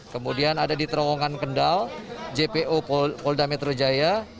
kemudian ada di terowongan kendal jpo polda metro jaya